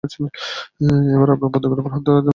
এবার, আপনার বন্দুকের উপর থেকে হাত সরান।